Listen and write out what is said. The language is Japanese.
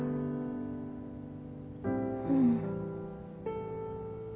うん